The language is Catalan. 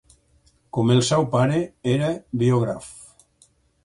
Com el seu pare, era biògraf.